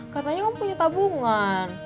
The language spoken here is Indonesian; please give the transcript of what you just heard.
katanya kamu punya tabungan